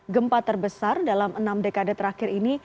gempa terbesar dalam enam dekade terakhir ini